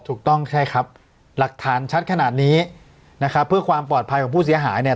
ถูกต้องใช่ครับหลักฐานชัดขนาดนี้นะครับเพื่อความปลอดภัยของผู้เสียหายเนี่ย